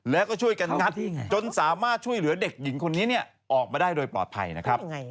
แล้วก็ช่วยกันงัดจนสามารถช่วยเหลือเด็กหญิงคนนี้ออกมาได้โดยปลอดภัยนะครับ